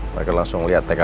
mereka langsung liat tkpnya